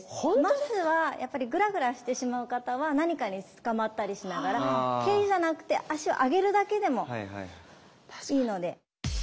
まずはやっぱりグラグラしてしまう方は何かにつかまったりしながら蹴りじゃなくて足を上げるだけでもいいので。